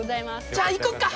じゃあ行こうか。